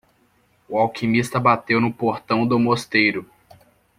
O alquimista bateu no portão do mosteiro.